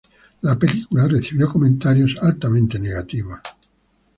La película recibió comentarios altamente negativos.